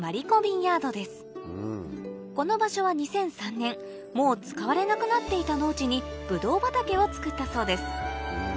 この場所は２００３年もう使われなくなっていた農地にブドウ畑を造ったそうです